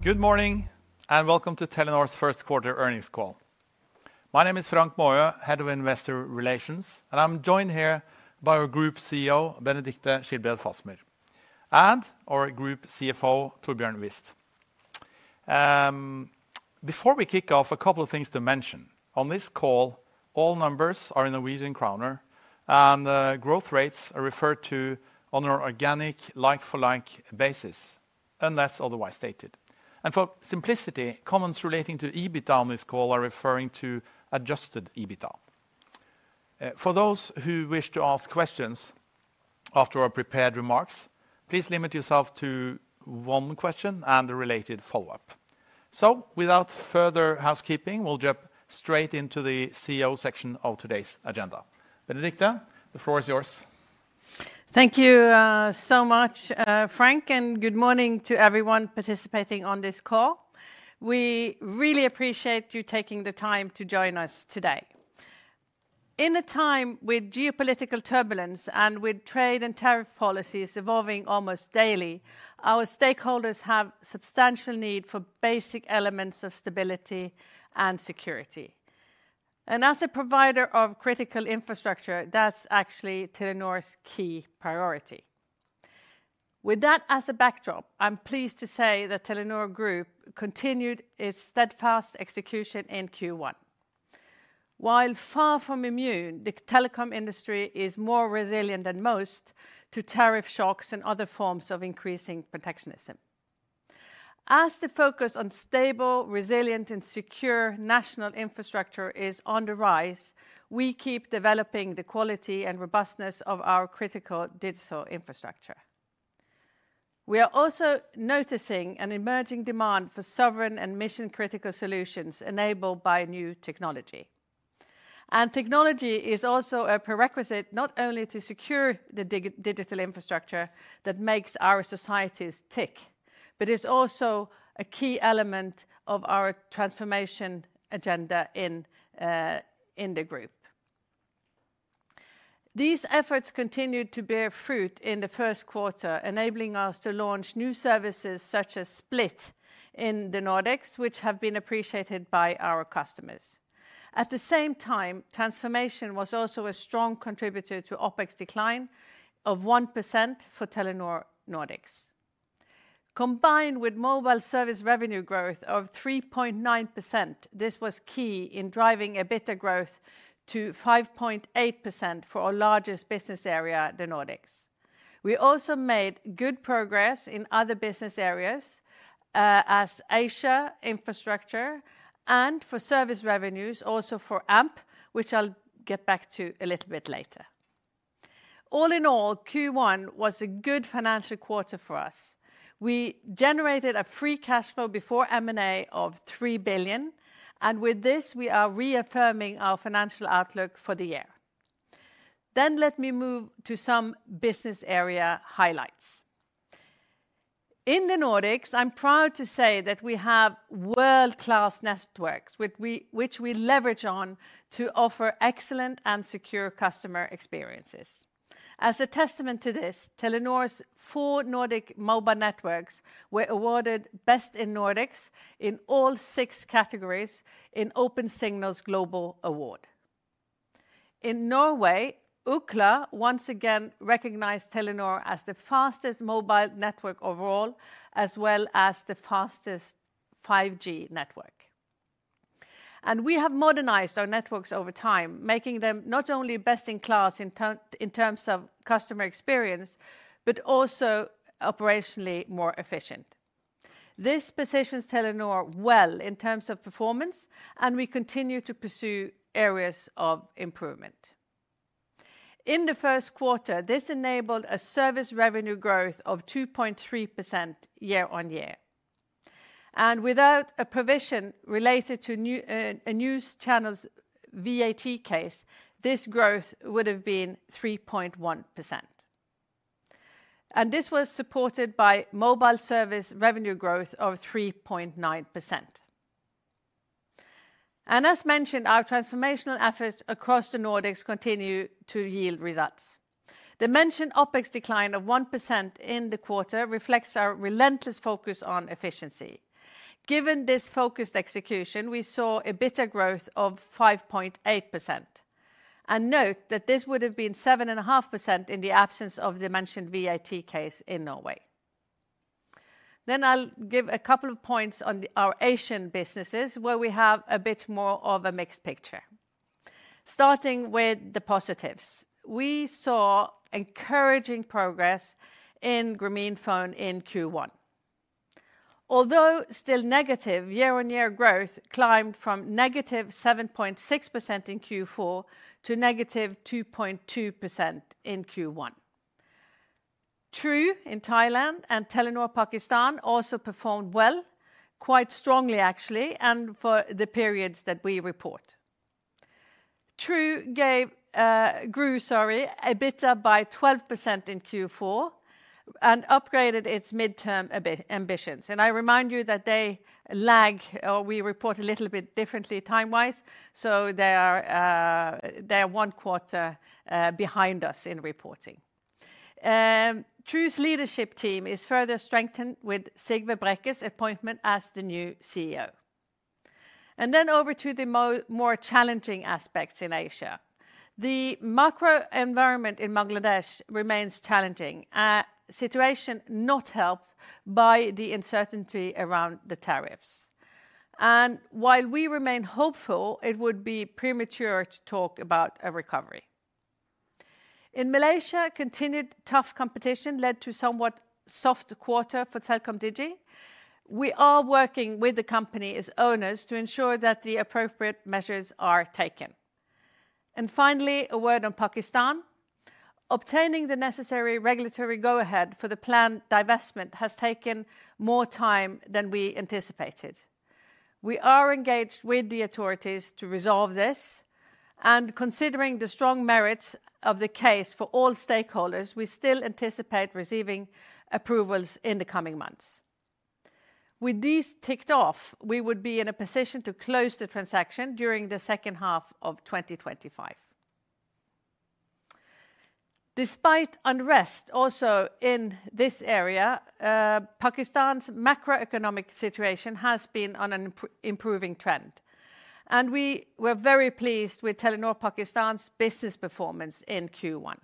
Good morning, and welcome to Telenor's first quarter earnings call. My name is Frank Maaø, Head of Investor Relations, and I'm joined here by our Group CEO, Benedicte Schilbred Fasmer, and our Group CFO, Torbjørn Wist. Before we kick off, a couple of things to mention: on this call, all numbers are in Norwegian kroner, and growth rates are referred to on an organic, like-for-like basis, unless otherwise stated. For simplicity, comments relating to EBITDA on this call are referring to adjusted EBITDA. For those who wish to ask questions after our prepared remarks, please limit yourself to one question and a related follow-up. Without further housekeeping, we'll jump straight into the CEO section of today's agenda. Benedicte, the floor is yours. Thank you so much, Frank, and good morning to everyone participating on this call. We really appreciate you taking the time to join us today. In a time with geopolitical turbulence and with trade and tariff policies evolving almost daily, our stakeholders have a substantial need for basic elements of stability and security. As a provider of critical infrastructure, that's actually Telenor's key priority. With that as a backdrop, I'm pleased to say that Telenor Group continued its steadfast execution in Q1. While far from immune, the telecom industry is more resilient than most to tariff shocks and other forms of increasing protectionism. As the focus on stable, resilient, and secure national infrastructure is on the rise, we keep developing the quality and robustness of our critical digital infrastructure. We are also noticing an emerging demand for sovereign and mission-critical solutions enabled by new technology. Technology is also a prerequisite not only to secure the digital infrastructure that makes our societies tick, but is also a key element of our transformation agenda in the group. These efforts continued to bear fruit in the first quarter, enabling us to launch new services such as Split in the Nordics, which have been appreciated by our customers. At the same time, transformation was also a strong contributor to OpEx decline of 1% for Telenor Nordics. Combined with mobile service revenue growth of 3.9%, this was key in driving EBITDA growth to 5.8% for our largest business area, the Nordics. We also made good progress in other business areas as Asia infrastructure and for service revenues, also for Amp, which I'll get back to a little bit later. All in all, Q1 was a good financial quarter for us. We generated a free cash flow before M&A of 3 billion, and with this, we are reaffirming our financial outlook for the year. Let me move to some business area highlights. In the Nordics, I'm proud to say that we have world-class networks, which we leverage on to offer excellent and secure customer experiences. As a testament to this, Telenor's four Nordic mobile networks were awarded Best in Nordics in all six categories in Opensignal's Global Award. In Norway, Ookla once again recognized Telenor as the fastest mobile network overall, as well as the fastest 5G network. We have modernized our networks over time, making them not only best in class in terms of customer experience, but also operationally more efficient. This positions Telenor well in terms of performance, and we continue to pursue areas of improvement. In the first quarter, this enabled a service revenue growth of 2.3% year-on-year. Without a provision related to a news channel's VAT case, this growth would have been 3.1%. This was supported by mobile service revenue growth of 3.9%. As mentioned, our transformational efforts across the Nordics continue to yield results. The mentioned OpEx decline of 1% in the quarter reflects our relentless focus on efficiency. Given this focused execution, we saw EBITDA growth of 5.8%. Note that this would have been 7.5% in the absence of the mentioned VAT case in Norway. I will give a couple of points on our Asian businesses, where we have a bit more of a mixed picture. Starting with the positives, we saw encouraging progress in Grameenphone in Q1. Although still negative, year-on-year growth climbed from -7.6% in Q4 to -2.2% in Q1. True in Thailand and Telenor Pakistan also performed well, quite strongly actually, and for the periods that we report. True grew EBITDA by 12% in Q4 and upgraded its midterm ambitions. I remind you that they lag, or we report a little bit differently time-wise, so they are one quarter behind us in reporting. True's leadership team is further strengthened with Sigve Brekke's appointment as the new CEO. Over to the more challenging aspects in Asia. The macro environment in Bangladesh remains challenging, a situation not helped by the uncertainty around the tariffs. While we remain hopeful, it would be premature to talk about a recovery. In Malaysia, continued tough competition led to a somewhat soft quarter for CelcomDigi. We are working with the company's owners to ensure that the appropriate measures are taken. Finally, a word on Pakistan. Obtaining the necessary regulatory go-ahead for the planned divestment has taken more time than we anticipated. We are engaged with the authorities to resolve this, and considering the strong merits of the case for all stakeholders, we still anticipate receiving approvals in the coming months. With these ticked off, we would be in a position to close the transaction during the second half of 2025. Despite unrest also in this area, Pakistan's macroeconomic situation has been on an improving trend, and we were very pleased with Telenor Pakistan's business performance in Q1.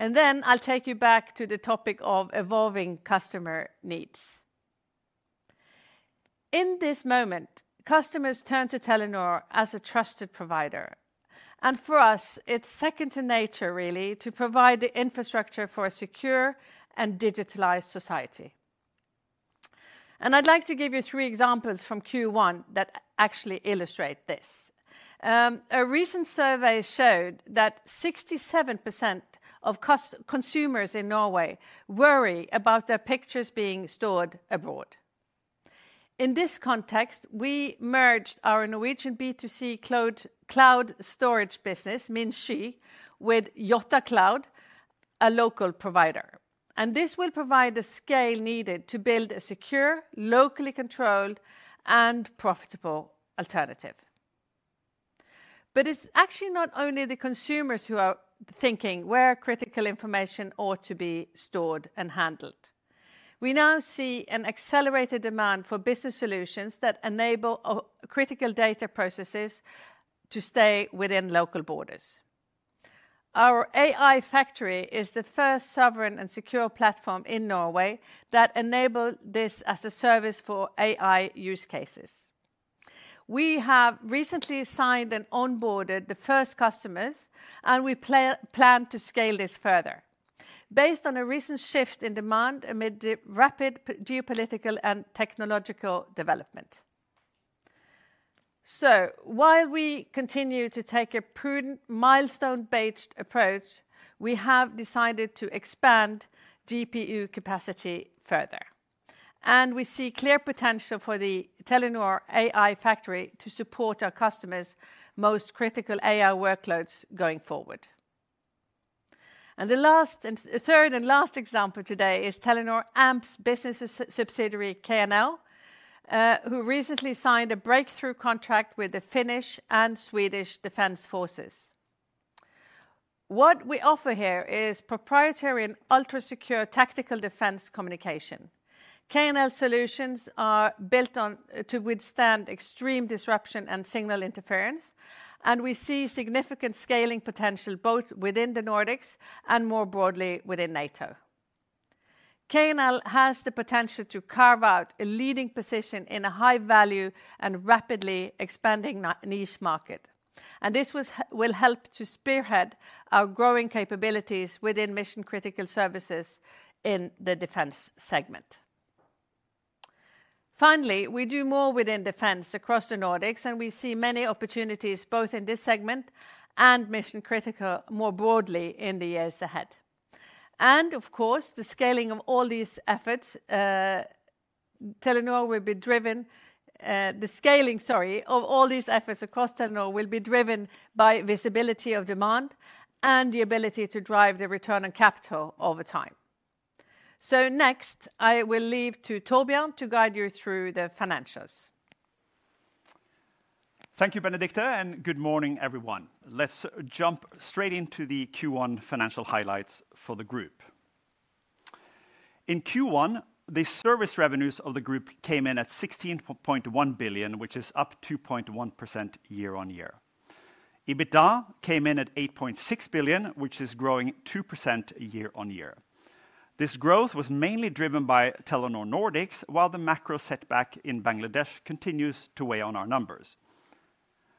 I will take you back to the topic of evolving customer needs. In this moment, customers turn to Telenor as a trusted provider, and for us, it is second to nature really to provide the infrastructure for a secure and digitalized society. I would like to give you three examples from Q1 that actually illustrate this. A recent survey showed that 67% of consumers in Norway worry about their pictures being stored abroad. In this context, we merged our Norwegian B2C cloud storage business, Min Sky, with Jottacloud, a local provider. This will provide the scale needed to build a secure, locally controlled, and profitable alternative. It's actually not only the consumers who are thinking where critical information ought to be stored and handled. We now see an accelerated demand for business solutions that enable critical data processes to stay within local borders. Our AI factory is the first sovereign and secure platform in Norway that enables this as a service for AI use cases. We have recently signed and onboarded the first customers, and we plan to scale this further, based on a recent shift in demand amid the rapid geopolitical and technological development. While we continue to take a prudent, milestone-based approach, we have decided to expand GPU capacity further. We see clear potential for the Telenor AI Factory to support our customers' most critical AI workloads going forward. The third and last example today is Telenor Amp's business subsidiary, KNL, who recently signed a breakthrough contract with the Finnish and Swedish Defense Forces. What we offer here is proprietary and ultra-secure tactical defense communication. KNL solutions are built to withstand extreme disruption and signal interference, and we see significant scaling potential both within the Nordics and more broadly within NATO. KNL has the potential to carve out a leading position in a high-value and rapidly expanding niche market. This will help to spearhead our growing capabilities within mission-critical services in the defense segment. Finally, we do more within defense across the Nordics, and we see many opportunities both in this segment and mission-critical more broadly in the years ahead. Of course, the scaling of all these efforts across Telenor will be driven by visibility of demand and the ability to drive the return on capital over time. Next, I will leave to Torbjørn to guide you through the financials. Thank you, Benedicte, and good morning, everyone. Let's jump straight into the Q1 financial highlights for the group. In Q1, the service revenues of the group came in at 16.1 billion, which is up 2.1% year-on-year. EBITDA came in at 8.6 billion, which is growing 2% year-on-year. This growth was mainly driven by Telenor Nordics, while the macro setback in Bangladesh continues to weigh on our numbers.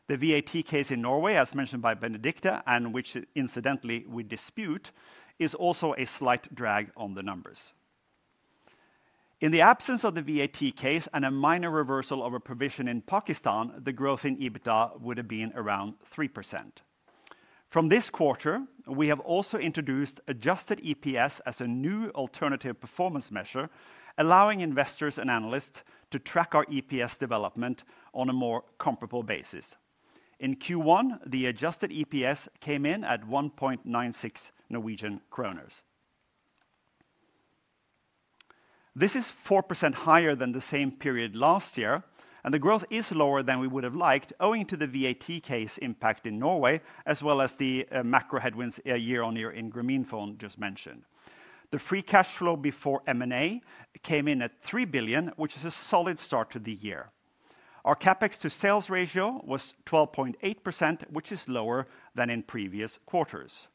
The VAT case in Norway, as mentioned by Benedicte, and which, incidentally, we dispute, is also a slight drag on the numbers. In the absence of the VAT case and a minor reversal of a provision in Pakistan, the growth in EBITDA would have been around 3%. From this quarter, we have also introduced adjusted EPS as a new alternative performance measure, allowing investors and analysts to track our EPS development on a more comparable basis. In Q1, the adjusted EPS came in at 1.96 Norwegian kroner. This is 4% higher than the same period last year, and the growth is lower than we would have liked, owing to the VAT case impact in Norway, as well as the macro headwinds year on year in Grameenphone just mentioned. The free cash flow before M&A came in at 3 billion, which is a solid start to the year. Our CapEx to sales ratio was 12.8%, which is lower than in previous quarters.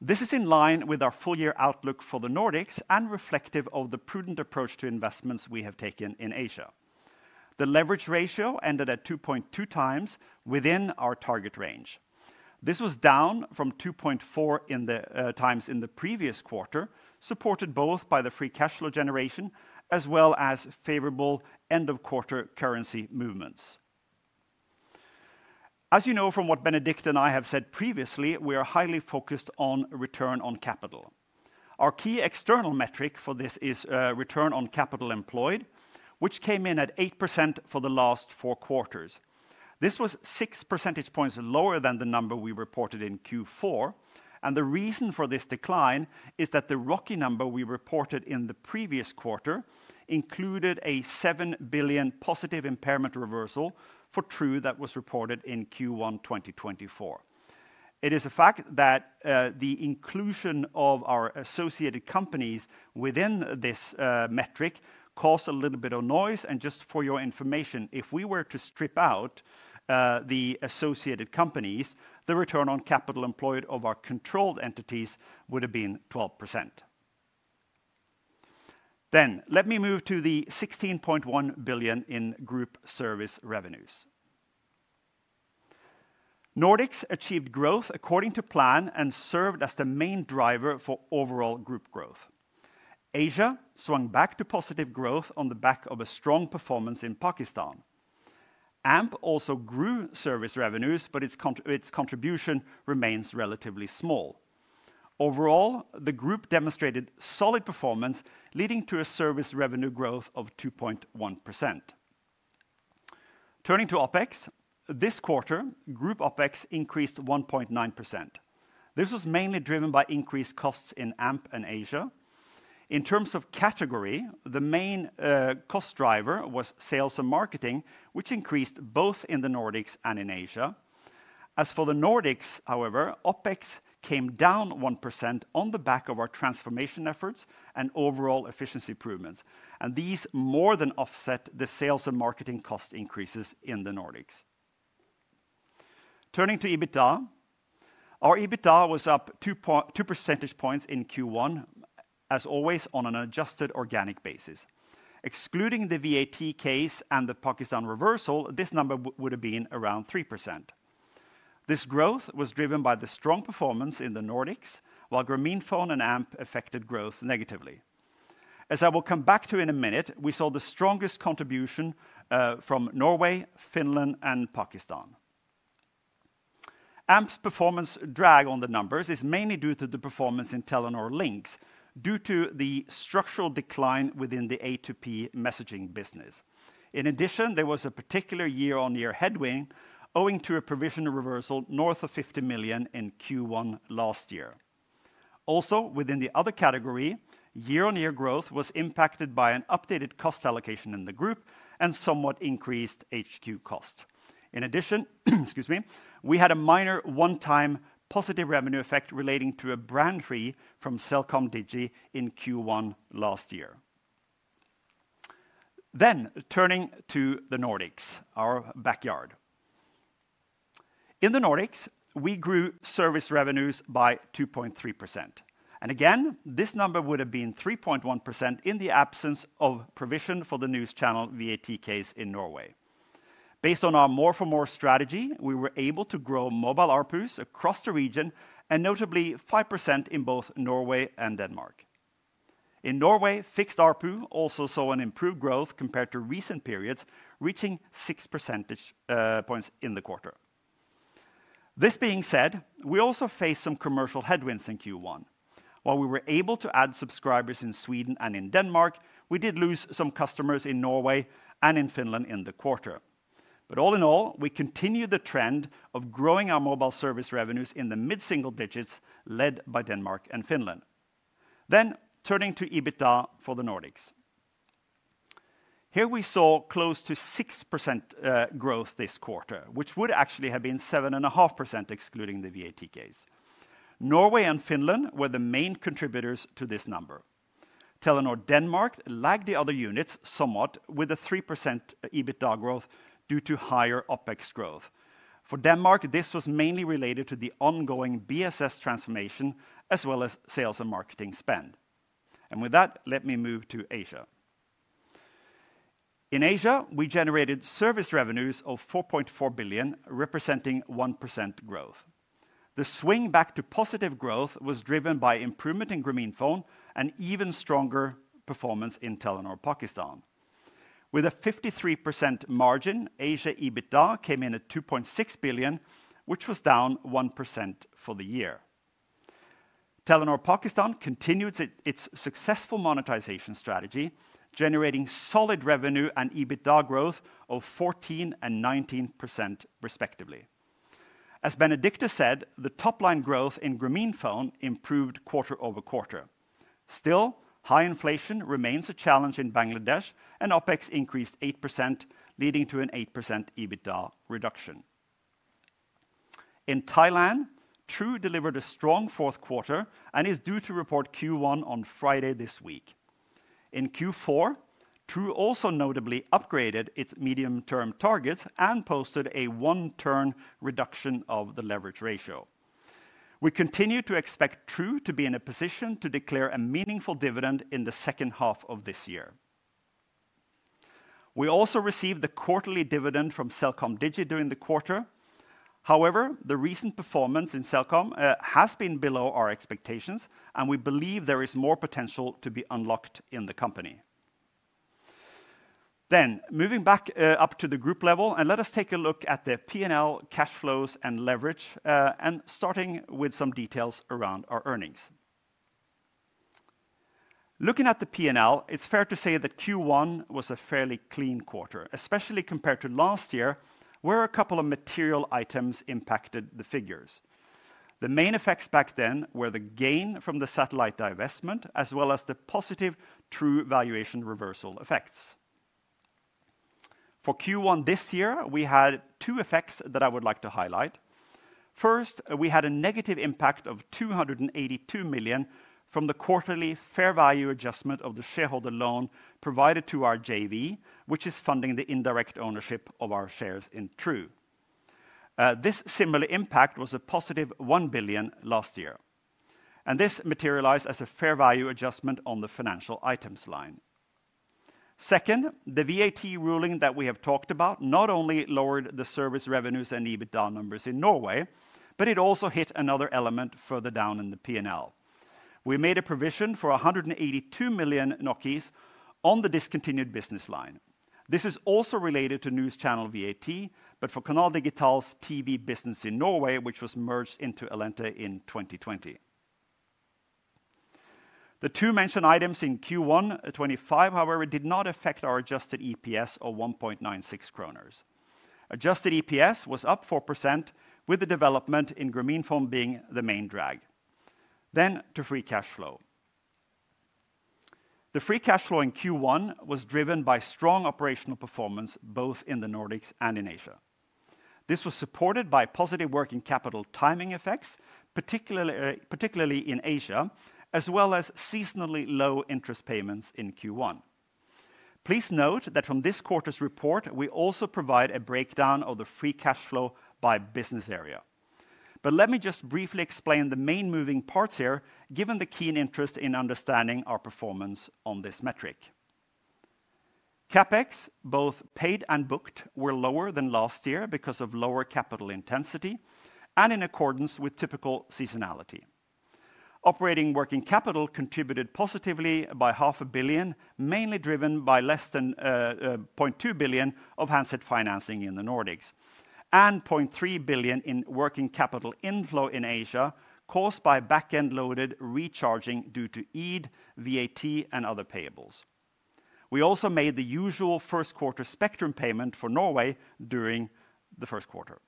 This is in line with our full-year outlook for the Nordics and reflective of the prudent approach to investments we have taken in Asia. The leverage ratio ended at 2.2x within our target range. This was down from 2.4x in the previous quarter, supported both by the free cash flow generation as well as favorable end-of-quarter currency movements. As you know from what Benedicte and I have said previously, we are highly focused on return on capital. Our key external metric for this is return on capital employed, which came in at 8% for the last four quarters. This was 6 percentage points lower than the number we reported in Q4, and the reason for this decline is that the rocky number we reported in the previous quarter included a 7 billion positive impairment reversal for True that was reported in Q1 2024. It is a fact that the inclusion of our associated companies within this metric caused a little bit of noise, and just for your information, if we were to strip out the associated companies, the return on capital employed of our controlled entities would have been 12%. Let me move to the 16.1 billion in group service revenues. Nordics achieved growth according to plan and served as the main driver for overall group growth. Asia swung back to positive growth on the back of a strong performance in Pakistan. Amp also grew service revenues, but its contribution remains relatively small. Overall, the group demonstrated solid performance, leading to a service revenue growth of 2.1%. Turning to OpEx, this quarter, group OpEx increased 1.9%. This was mainly driven by increased costs in Amp and Asia. In terms of category, the main cost driver was sales and marketing, which increased both in the Nordics and in Asia. As for the Nordics, however, OpEx came down 1% on the back of our transformation efforts and overall efficiency improvements, and these more than offset the sales and marketing cost increases in the Nordics. Turning to EBITDA, our EBITDA was up 2 percentage points in Q1, as always, on an adjusted organic basis. Excluding the VAT case and the Pakistan reversal, this number would have been around 3%. This growth was driven by the strong performance in the Nordics, while Grameenphone and Amp affected growth negatively. As I will come back to in a minute, we saw the strongest contribution from Norway, Finland, and Pakistan. Amp's performance drag on the numbers is mainly due to the performance in Telenor Linx, due to the structural decline within the A2P messaging business. In addition, there was a particular year-on-year headwind owing to a provisional reversal north of 50 million in Q1 last year. Also, within the other category, year-on-year growth was impacted by an updated cost allocation in the group and somewhat increased HQ costs. In addition, excuse me, we had a minor one-time positive revenue effect relating to a brand fee from CelcomDigi in Q1 last year. Turning to the Nordics, our backyard. In the Nordics, we grew service revenues by 2.3%. This number would have been 3.1% in the absence of provision for the news channel VAT case in Norway. Based on our more-for-more strategy, we were able to grow mobile RPUs across the region and notably 5% in both Norway and Denmark. In Norway, fixed RPU also saw an improved growth compared to recent periods, reaching 6 percentage points in the quarter. This being said, we also faced some commercial headwinds in Q1. While we were able to add subscribers in Sweden and in Denmark, we did lose some customers in Norway and in Finland in the quarter. All in all, we continued the trend of growing our mobile service revenues in the mid-single digits led by Denmark and Finland. Turning to EBITDA for the Nordics. Here we saw close to 6% growth this quarter, which would actually have been 7.5% excluding the VAT case. Norway and Finland were the main contributors to this number. Telenor Denmark lagged the other units somewhat with a 3% EBITDA growth due to higher OpEx growth. For Denmark, this was mainly related to the ongoing BSS transformation as well as sales and marketing spend. With that, let me move to Asia. In Asia, we generated service revenues of 4.4 billion, representing 1% growth. The swing back to positive growth was driven by improvement in Grameenphone and even stronger performance in Telenor Pakistan. With a 53% margin, Asia EBITDA came in at 2.6 billion, which was down 1% for the year. Telenor Pakistan continued its successful monetization strategy, generating solid revenue and EBITDA growth of 14% and 19% respectively. As Benedicte said, the top-line growth in Grameenphone improved quarter over quarter. Still, high inflation remains a challenge in Bangladesh, and OpEx increased 8%, leading to an 8% EBITDA reduction. In Thailand, True delivered a strong fourth quarter and is due to report Q1 on Friday this week. In Q4, True also notably upgraded its medium-term targets and posted a one-turn reduction of the leverage ratio. We continue to expect True to be in a position to declare a meaningful dividend in the second half of this year. We also received the quarterly dividend from CelcomDigi during the quarter. However, the recent performance in Celcom has been below our expectations, and we believe there is more potential to be unlocked in the company. Moving back up to the group level, and let us take a look at the P&L, cash flows, and leverage, and starting with some details around our earnings. Looking at the P&L, it's fair to say that Q1 was a fairly clean quarter, especially compared to last year, where a couple of material items impacted the figures. The main effects back then were the gain from the satellite divestment, as well as the positive True valuation reversal effects. For Q1 this year, we had two effects that I would like to highlight. First, we had a negative impact of 282 million from the quarterly fair value adjustment of the shareholder loan provided to our JV, which is funding the indirect ownership of our shares in True. This similar impact was a positive 1 billion last year, and this materialized as a fair value adjustment on the financial items line. Second, the VAT ruling that we have talked about not only lowered the service revenues and EBITDA numbers in Norway, but it also hit another element further down in the P&L. We made a provision for 182 million on the discontinued business line. This is also related to news channel VAT, but for Canal Digital's TV business in Norway, which was merged into Alenta in 2020. The two mentioned items in Q1 2025, however, did not affect our adjusted EPS of 1.96 kroner. Adjusted EPS was up 4%, with the development in Grameenphone being the main drag. To free cash flow. The free cash flow in Q1 was driven by strong operational performance both in the Nordics and in Asia. This was supported by positive working capital timing effects, particularly in Asia, as well as seasonally low interest payments in Q1. Please note that from this quarter's report, we also provide a breakdown of the free cash flow by business area. Let me just briefly explain the main moving parts here, given the keen interest in understanding our performance on this metric. CapEx, both paid and booked, were lower than last year because of lower capital intensity and in accordance with typical seasonality. Operating working capital contributed positively by 500 million mainly driven by less than 200 million of handset financing in the Nordics, and 300 million in working capital inflow in Asia caused by back-end loaded recharging due to EID, VAT, and other payables. We also made the usual first-quarter spectrum payment for Norway during the first quarter.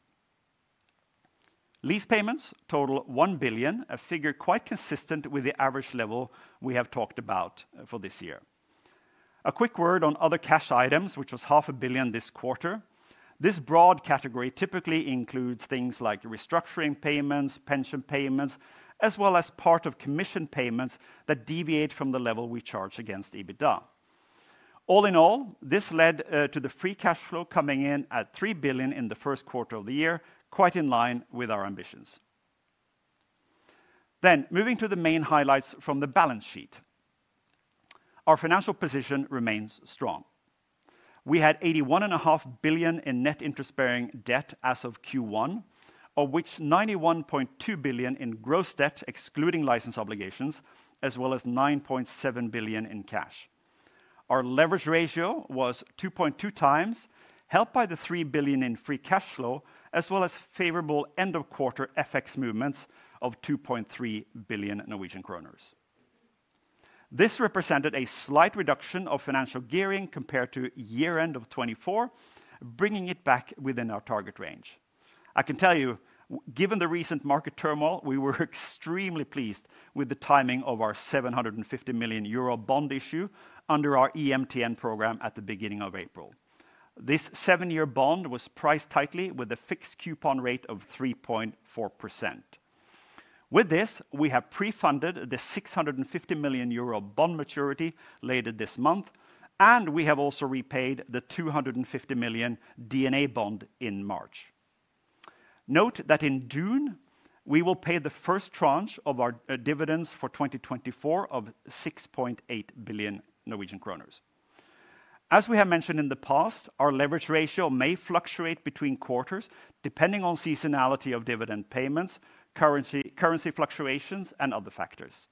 Lease payments total 1 billion a figure quite consistent with the average level we have talked about for this year. A quick word on other cash items, which was 500 million this quarter. This broad category typically includes things like restructuring payments, pension payments, as well as part of commission payments that deviate from the level we charge against EBITDA. All in all, this led to the free cash flow coming in at 3 billion in the first quarter of the year, quite in line with our ambitions. Moving to the main highlights from the balance sheet. Our financial position remains strong. We had 81.5 billion in net interest-bearing debt as of Q1, of which 91.2 billion in gross debt, excluding license obligations, as well as 9.7 billion in cash. Our leverage ratio was 2.2x, helped by the 3 billion in free cash flow, as well as favorable end-of-quarter FX movements of 2.3 billion Norwegian kroner. This represented a slight reduction of financial gearing compared to year-end of 2024, bringing it back within our target range. I can tell you, given the recent market turmoil, we were extremely pleased with the timing of our 750 million euro bond issue under our EMTN program at the beginning of April. This seven-year bond was priced tightly with a fixed coupon rate of 3.4%. With this, we have pre-funded the 650 million euro bond maturity later this month, and we have also repaid the 250 million DNA bond in March. Note that in June, we will pay the first tranche of our dividends for 2024 of 6.8 billion Norwegian kroner. As we have mentioned in the past, our leverage ratio may fluctuate between quarters depending on seasonality of dividend payments, currency fluctuations, and other factors.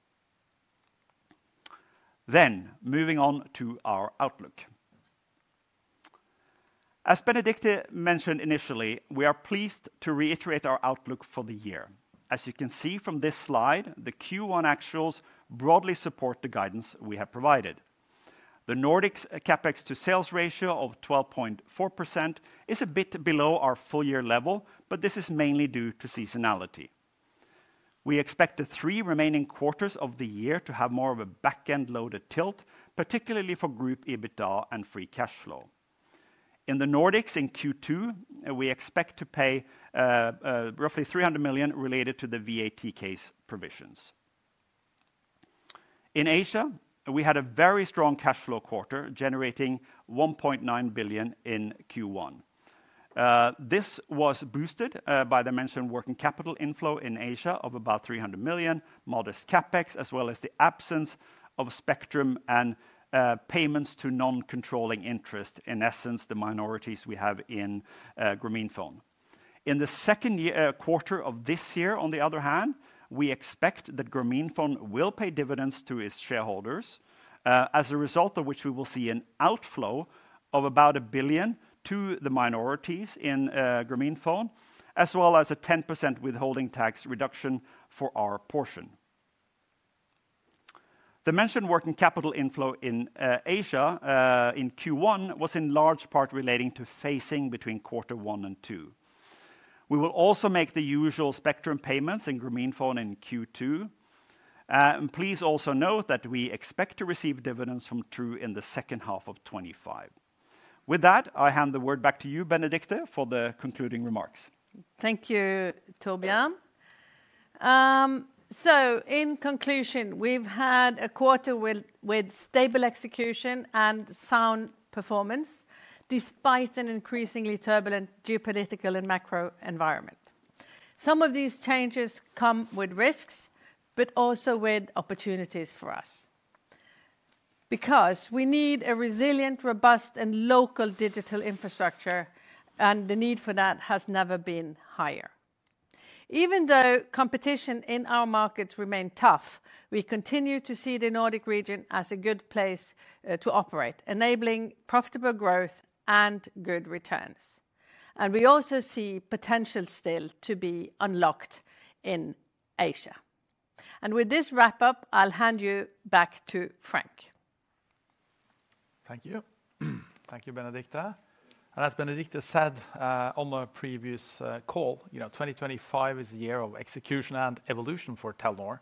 Moving on to our outlook. As Benedicte mentioned initially, we are pleased to reiterate our outlook for the year. As you can see from this slide, the Q1 actuals broadly support the guidance we have provided. The Nordics' CapEx to sales ratio of 12.4% is a bit below our full-year level, but this is mainly due to seasonality. We expect the three remaining quarters of the year to have more of a back-end loaded tilt, particularly for group EBITDA and free cash flow. In the Nordics, in Q2, we expect to pay roughly 300 million related to the VAT case provisions. In Asia, we had a very strong cash flow quarter, generating 1.9 billion in Q1. This was boosted by the mentioned working capital inflow in Asia of about 300 million, modest CapEx, as well as the absence of spectrum and payments to non-controlling interest, in essence, the minorities we have in Grameenphone. In the second quarter of this year, on the other hand, we expect that Grameenphone will pay dividends to its shareholders, as a result of which we will see an outflow of about 1 billion to the minorities in Grameenphone, as well as a 10% withholding tax reduction for our portion. The mentioned working capital inflow in Asia in Q1 was in large part relating to phasing between quarter one and two. We will also make the usual spectrum payments in Grameenphone in Q2. Please also note that we expect to receive dividends from True in the second half of 2025. With that, I hand the word back to you, Benedicte, for the concluding remarks. Thank you, Torbjørn. In conclusion, we've had a quarter with stable execution and sound performance despite an increasingly turbulent geopolitical and macro environment. Some of these changes come with risks, but also with opportunities for us. Because we need a resilient, robust, and local digital infrastructure, and the need for that has never been higher. Even though competition in our markets remains tough, we continue to see the Nordic region as a good place to operate, enabling profitable growth and good returns. We also see potential still to be unlocked in Asia. With this wrap-up, I'll hand you back to Frank. Thank you. Thank you, Benedicte. As Benedicte said on a previous call, you know, 2025 is the year of execution and evolution for Telenor.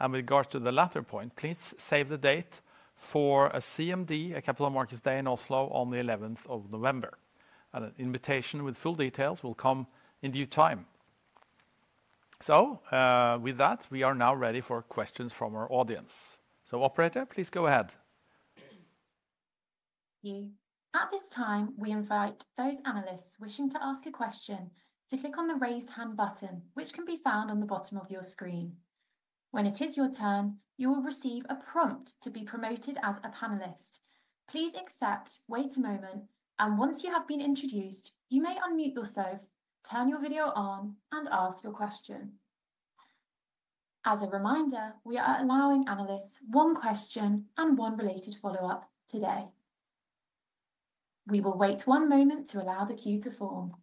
With regards to the latter point, please save the date for a CMD, a Capital Markets Day in Oslo, on the 11th of November. An invitation with full details will come in due time. With that, we are now ready for questions from our audience. Operator, please go ahead. At this time, we invite those analysts wishing to ask a question to click on the raised hand button, which can be found on the bottom of your screen. When it is your turn, you will receive a prompt to be promoted as a panelist. Please accept, wait a moment, and once you have been introduced, you may unmute yourself, turn your video on, and ask your question. As a reminder, we are allowing analysts one question and one related follow-up today. We will wait one moment to allow the queue to form.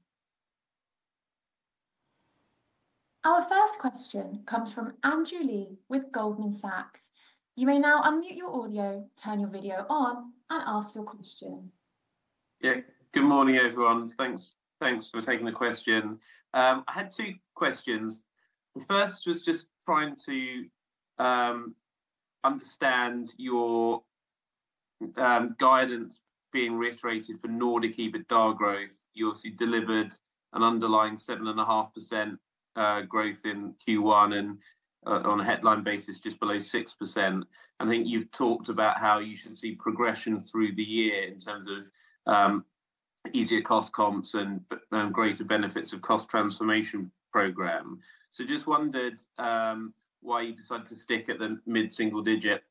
Our first question comes from Andrew Lee with Goldman Sachs. You may now unmute your audio, turn your video on, and ask your question. Yeah, good morning, everyone. Thanks. Thanks for taking the question. I had two questions. The first was just trying to understand your guidance being reiterated for Nordic EBITDA growth. You obviously delivered an underlying 7.5% growth in Q1 and on a headline basis, just below 6%. I think you've talked about how you should see progression through the year in terms of easier cost comps and greater benefits of cost transformation program. I just wondered why you decided to stick at the mid-single-digit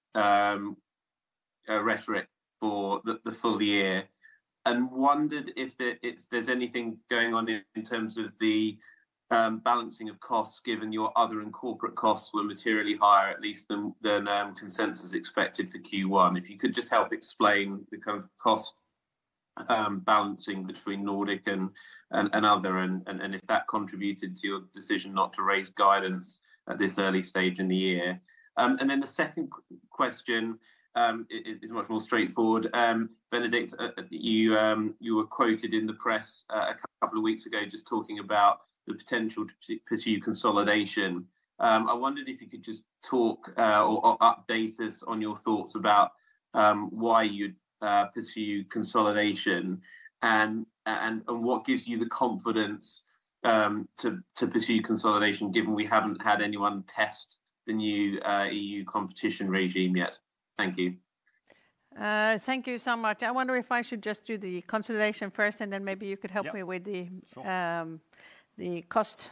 rhetoric for the full year and wondered if there's anything going on in terms of the balancing of costs given your other and corporate costs were materially higher, at least than consensus expected for Q1. If you could just help explain the kind of cost balancing between Nordic and other, and if that contributed to your decision not to raise guidance at this early stage in the year. The second question is much more straightforward. Benedicte, you were quoted in the press a couple of weeks ago just talking about the potential to pursue consolidation. I wondered if you could just talk or update us on your thoughts about why you'd pursue consolidation and what gives you the confidence to pursue consolidation given we haven't had anyone test the new EU competition regime yet. Thank you. Thank you so much. I wonder if I should just do the consolidation first, and then maybe you could help me with the cost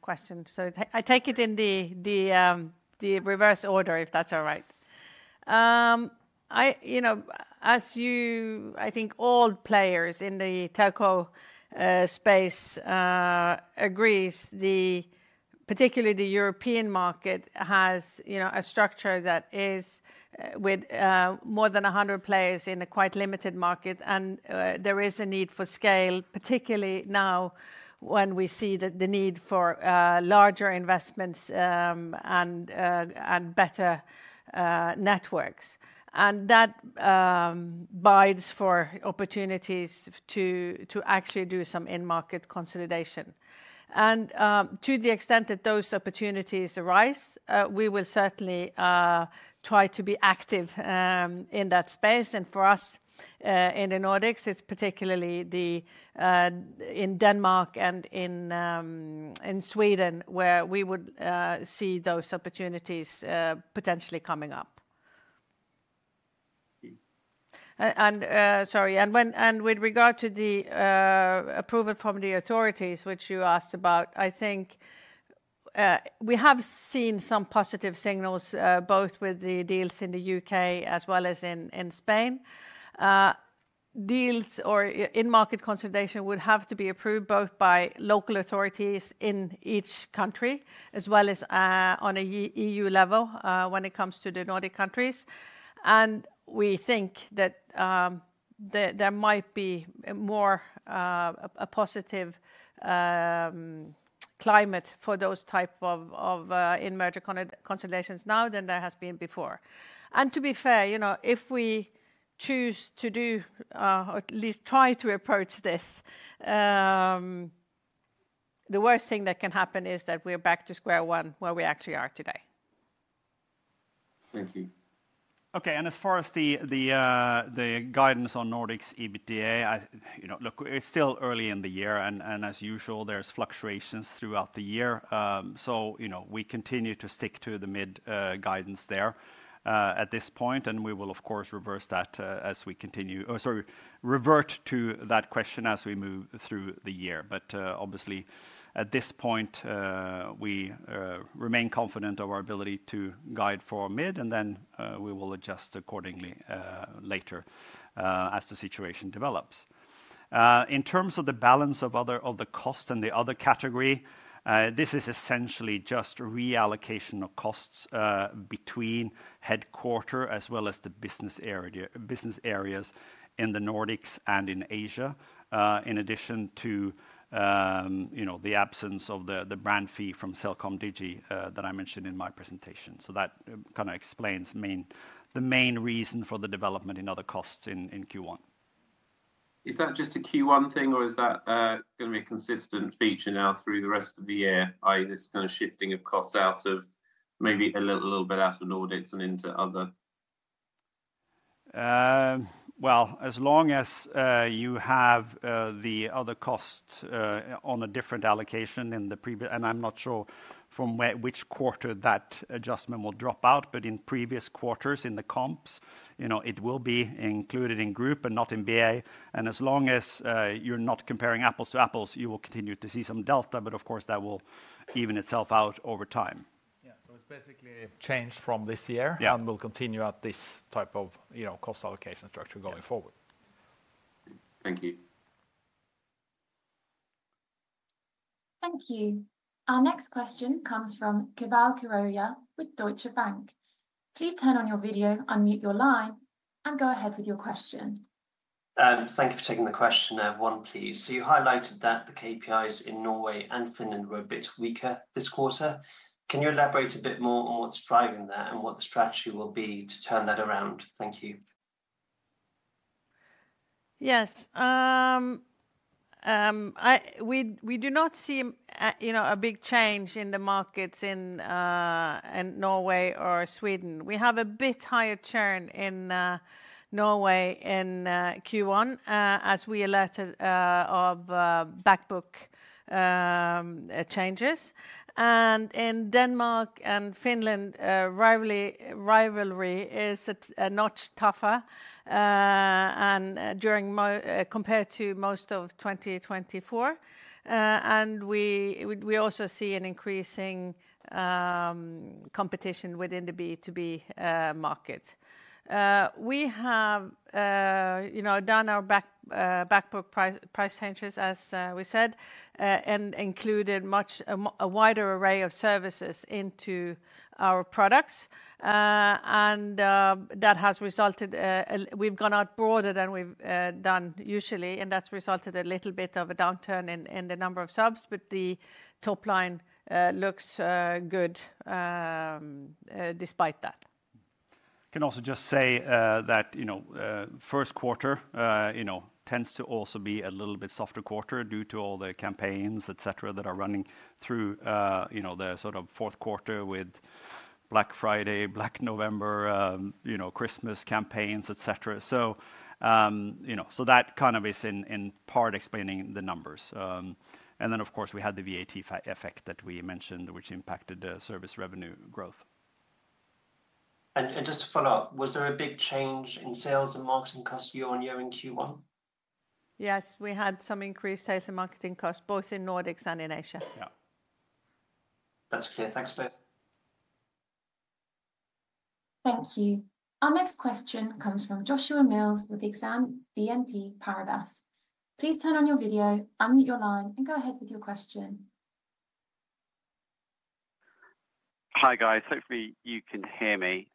question. I take it in the reverse order, if that's all right. As you, I think all players in the telco space agree, particularly the European market has a structure that is with more than 100 players in a quite limited market, and there is a need for scale, particularly now when we see the need for larger investments and better networks. That bides for opportunities to actually do some in-market consolidation. To the extent that those opportunities arise, we will certainly try to be active in that space. For us in the Nordics, it is particularly in Denmark and in Sweden where we would see those opportunities potentially coming up. With regard to the approval from the authorities, which you asked about, I think we have seen some positive signals both with the deals in the U.K. as well as in Spain. Deals or in-market consolidation would have to be approved both by local authorities in each country as well as on an EU level when it comes to the Nordic countries. We think that there might be more of a positive climate for those types of in-market consolidations now than there has been before. To be fair, you know, if we choose to do or at least try to approach this, the worst thing that can happen is that we're back to square one where we actually are today. Thank you. Okay, as far as the guidance on Nordics EBITDA, look, it's still early in the year, and as usual, there's fluctuations throughout the year. We continue to stick to the mid-guidance there at this point, and we will, of course, revert to that question as we move through the year. Obviously, at this point, we remain confident of our ability to guide for mid, and then we will adjust accordingly later as the situation develops. In terms of the balance of the cost and the other category, this is essentially just reallocation of costs between headquarter as well as the business areas in the Nordics and in Asia, in addition to the absence of the brand fee from CelcomDigi that I mentioned in my presentation. That kind of explains the main reason for the development in other costs in Q1. Is that just a Q1 thing, or is that going to be a consistent feature now through the rest of the year, i.e., this kind of shifting of costs out of maybe a little bit out of Nordics and into other? As long as you have the other costs on a different allocation in the previous, and I'm not sure from which quarter that adjustment will drop out, but in previous quarters in the comps, it will be included in group and not in BA. As long as you're not comparing apples to apples, you will continue to see some delta, but of course, that will even itself out over time. Yeah, it's basically changed from this year and will continue at this type of cost allocation structure going forward. Thank you. Thank you. Our next question comes from Keval Khiroya with Deutsche Bank. Please turn on your video, unmute your line, and go ahead with your question. Thank you for taking the question. One, please. You highlighted that the KPIs in Norway and Finland were a bit weaker this quarter. Can you elaborate a bit more on what's driving that and what the strategy will be to turn that around? Thank you. Yes. We do not see a big change in the markets in Norway or Sweden. We have a bit higher churn in Norway in Q1 as we alerted of backbook changes. In Denmark and Finland, rivalry is not tougher compared to most of 2024. We also see an increasing competition within the B2B market. We have done our backbook price changes, as we said, and included a wider array of services into our products. That has resulted, we've gone out broader than we've done usually, and that's resulted in a little bit of a downturn in the number of subs, but the top line looks good despite that. Can also just say that first quarter tends to also be a little bit softer quarter due to all the campaigns, etc., that are running through the sort of fourth quarter with Black Friday, Black November, Christmas campaigns, etc. That kind of is in part explaining the numbers. Of course, we had the VAT effect that we mentioned, which impacted the service revenue growth. Just to follow up, was there a big change in sales and marketing cost year on year in Q1? Yes, we had some increased sales and marketing costs both in Nordics and in Asia. Yeah. That's clear. Thanks, both. Thank you. Our next question comes from Joshua Mills with Exane BNP Paribas. Please turn on your video, unmute your line, and go ahead with your question. Hi, guys. Hopefully, you can hear me.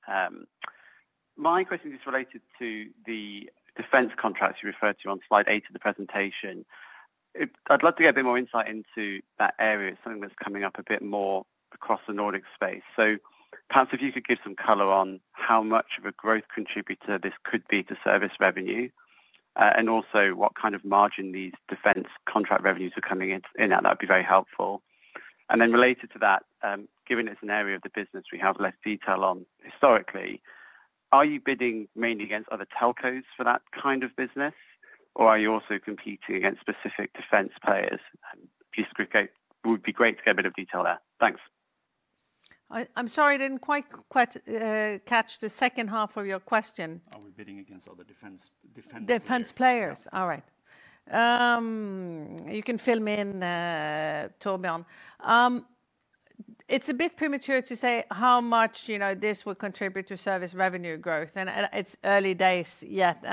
My question is related to the defense contracts you referred to on slide eight of the presentation. I'd love to get a bit more insight into that area, something that's coming up a bit more across the Nordic space. Perhaps if you could give some color on how much of a growth contributor this could be to service revenue and also what kind of margin these defense contract revenues are coming in, that would be very helpful. Then related to that, given it's an area of the business we have less detail on historically, are you bidding mainly against other telcos for that kind of business, or are you also competing against specific defense players? It would be great to get a bit of detail there. Thanks. I'm sorry, I didn't quite catch the second half of your question. Are we bidding against other defense players? Defense players. All right. You can fill me in, Torbjørn. It's a bit premature to say how much this will contribute to service revenue growth. It's early days yet.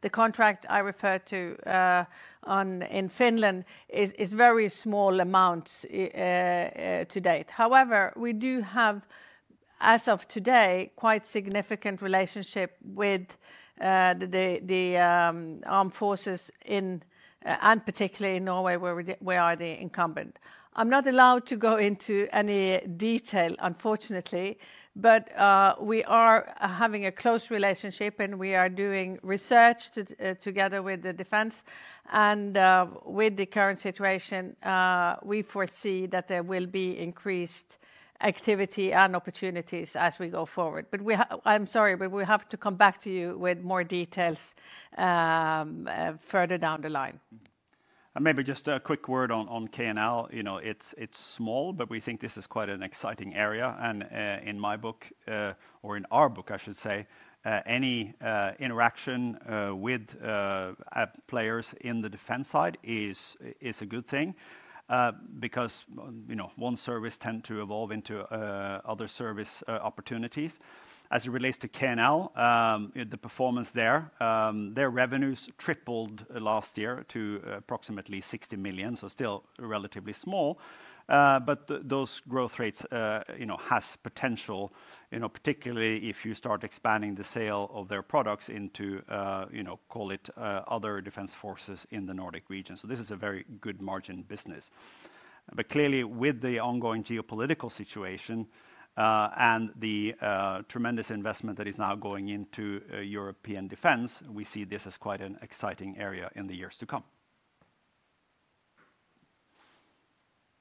The contract I referred to in Finland is very small amounts to date. However, we do have, as of today, quite significant relationships with the armed forces and particularly in Norway, where we are the incumbent. I'm not allowed to go into any detail, unfortunately, but we are having a close relationship and we are doing research together with the defense. With the current situation, we foresee that there will be increased activity and opportunities as we go forward. I'm sorry, but we have to come back to you with more details further down the line. Maybe just a quick word on KNL. It's small, but we think this is quite an exciting area. In my book, or in our book, I should say, any interaction with players in the defense side is a good thing because one service tends to evolve into other service opportunities. As it relates to KNL, the performance there, their revenues tripled last year to approximately 60 million, so still relatively small. Those growth rates have potential, particularly if you start expanding the sale of their products into, call it, other defense forces in the Nordic region. This is a very good margin business. Clearly, with the ongoing geopolitical situation and the tremendous investment that is now going into European defense, we see this as quite an exciting area in the years to come.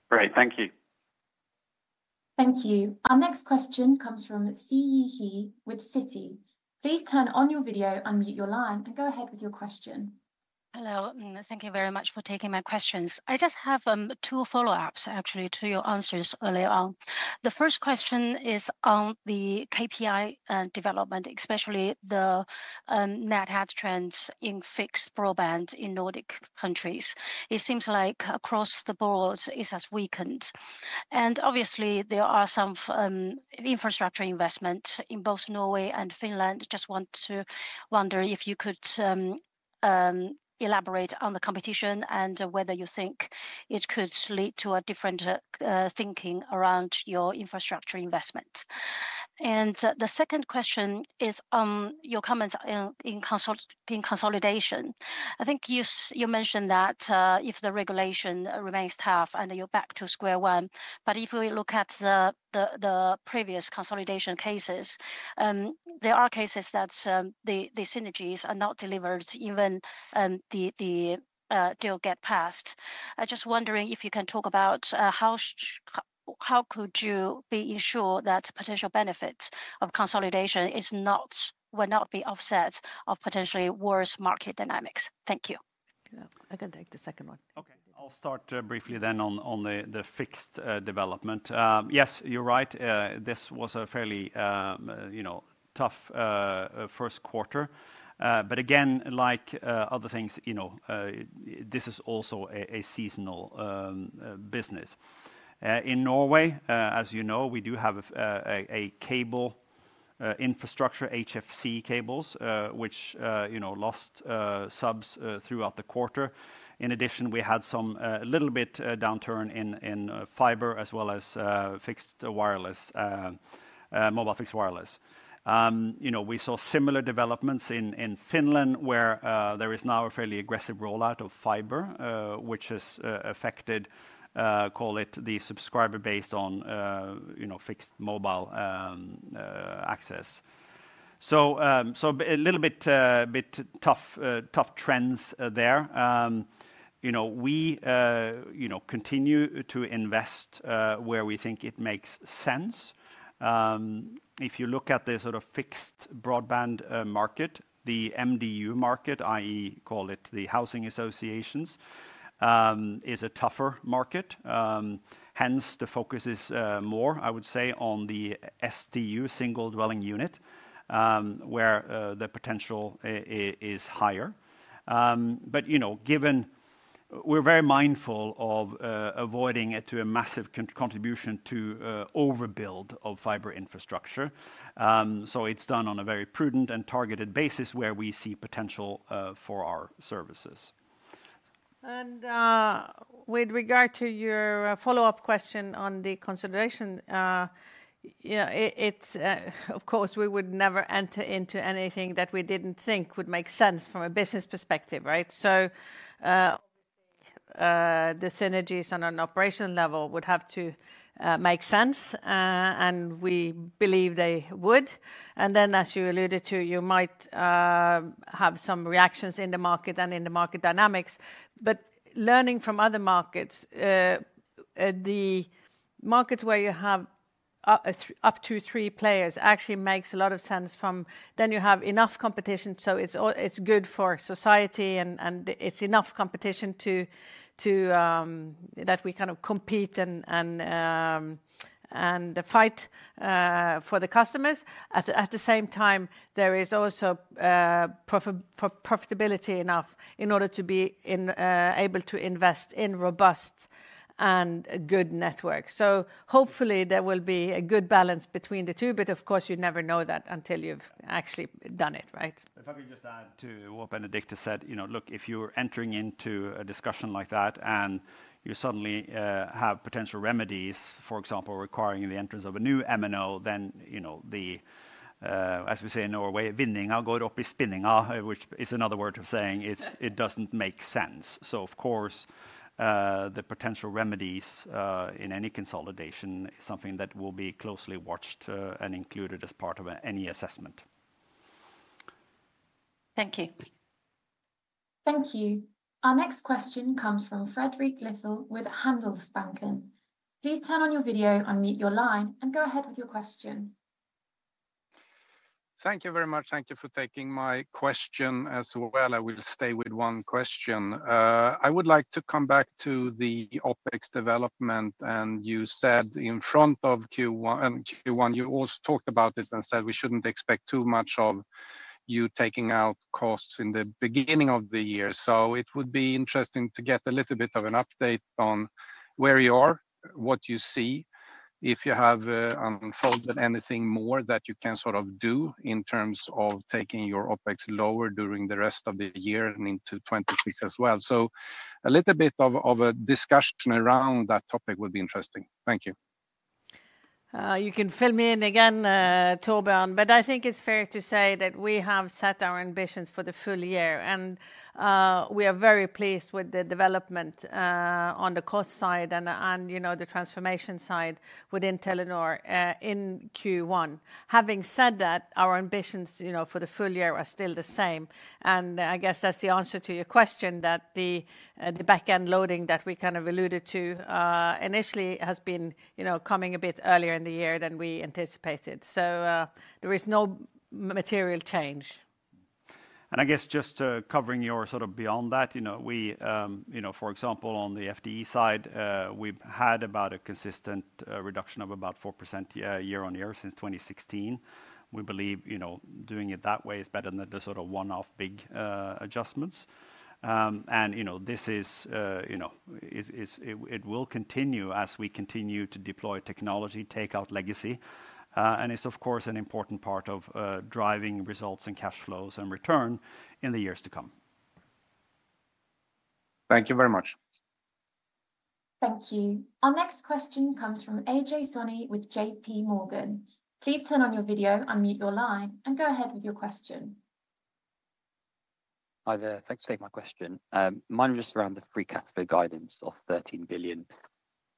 Great. Thank you. Thank you. Our next question comes from Siyi He with Citi. Please turn on your video, unmute your line, and go ahead with your question. Hello. Thank you very much for taking my questions. I just have two follow-ups, actually, to your answers earlier on. The first question is on the KPI development, especially the net add trends in fixed broadband in Nordic countries. It seems like across the board, it has weakened. Obviously, there are some infrastructure investments in both Norway and Finland. I just want to wonder if you could elaborate on the competition and whether you think it could lead to a different thinking around your infrastructure investment. The second question is on your comments in consolidation. I think you mentioned that if the regulation remains tough and you're back to square one, but if we look at the previous consolidation cases, there are cases that the synergies are not delivered even if the deal gets passed. I'm just wondering if you can talk about how could you be ensured that potential benefits of consolidation will not be offset by potentially worse market dynamics. Thank you. I can take the second one. Okay. I'll start briefly then on the fixed development. Yes, you're right. This was a fairly tough first quarter. Again, like other things, this is also a seasonal business. In Norway, as you know, we do have a cable infrastructure, HFC cables, which lost subs throughout the quarter. In addition, we had a little bit of downturn in fiber as well as fixed wireless, mobile fixed wireless. We saw similar developments in Finland where there is now a fairly aggressive rollout of fiber, which has affected, call it, the subscriber base on fixed mobile access. A little bit tough trends there. We continue to invest where we think it makes sense. If you look at the sort of fixed broadband market, the MDU market, i.e., call it the housing associations, is a tougher market. Hence, the focus is more, I would say, on the SDU, single dwelling unit, where the potential is higher. We are very mindful of avoiding a massive contribution to overbuild of fiber infrastructure. It is done on a very prudent and targeted basis where we see potential for our services. With regard to your follow-up question on the consideration, of course, we would never enter into anything that we did not think would make sense from a business perspective, right? The synergies on an operational level would have to make sense, and we believe they would. As you alluded to, you might have some reactions in the market and in the market dynamics. Learning from other markets, the markets where you have up to three players actually makes a lot of sense from then you have enough competition, so it's good for society and it's enough competition that we kind of compete and fight for the customers. At the same time, there is also profitability enough in order to be able to invest in robust and good networks. Hopefully, there will be a good balance between the two, but of course, you never know that until you've actually done it, right? If I could just add to what Benedicte said, look, if you're entering into a discussion like that and you suddenly have potential remedies, for example, requiring the entrance of a new MNO, then as we say in Norway, which is another way of saying, it doesn't make sense. Of course, the potential remedies in any consolidation is something that will be closely watched and included as part of any assessment. Thank you. Thank you. Our next question comes from Fredrik Lithell with Handelsbanken. Please turn on your video and mute your line and go ahead with your question. Thank you very much. Thank you for taking my question as well. I will stay with one question. I would like to come back to the OpEx development. You said in front of Q1, you also talked about it and said we shouldn't expect too much of you taking out costs in the beginning of the year. It would be interesting to get a little bit of an update on where you are, what you see, if you have unfolded anything more that you can sort of do in terms of taking your OpEx lower during the rest of the year and into 2026 as well. A little bit of a discussion around that topic would be interesting. Thank you. You can fill me in again, Torbjørn, but I think it's fair to say that we have set our ambitions for the full year. We are very pleased with the development on the cost side and the transformation side within Telenor in Q1. Having said that, our ambitions for the full year are still the same. I guess that's the answer to your question that the backend loading that we kind of alluded to initially has been coming a bit earlier in the year than we anticipated. There is no material change. I guess just covering your sort of beyond that, for example, on the FDE side, we've had about a consistent reduction of about 4% year-on-year since 2016. We believe doing it that way is better than the sort of one-off big adjustments. This will continue as we continue to deploy technology, take out legacy. It's, of course, an important part of driving results and cash flows and return in the years to come. Thank you very much. Thank you. Our next question comes from Ajay Soni with JPMorgan. Please turn on your video, unmute your line, and go ahead with your question. Hi there. Thanks for taking my question. My question is around the free cash flow guidance of 13 billion.